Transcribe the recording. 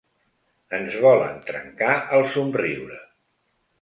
Ens volen trencar el somriure.